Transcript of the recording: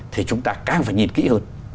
thì chúng ta càng phải nhìn kỹ hơn